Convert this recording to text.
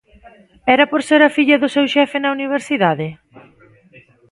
¿Era por ser a filla do seu xefe na universidade?